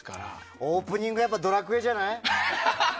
オープニングは「ドラクエ」じゃない？